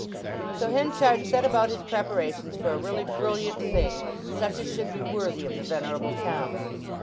So Henchard set about his preparations for a really brilliant thing—such as should be worthy of the venerable town.